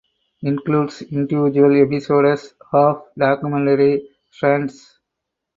Includes individual episodes of documentary strands.